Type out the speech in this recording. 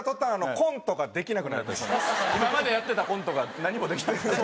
今までやってたコントが何もできなくなって。